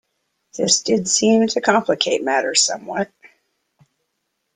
This did seem to complicate matters somewhat.